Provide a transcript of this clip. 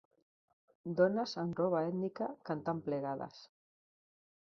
Dones amb roba ètnica cantant plegades.